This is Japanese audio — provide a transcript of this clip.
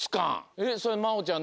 えっそれまおちゃん